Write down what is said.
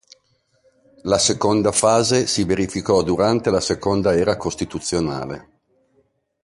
La seconda fase si verificò durante la seconda era costituzionale.